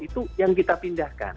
itu yang kita pindahkan